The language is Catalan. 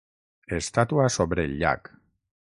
Estàtua sobre el llac.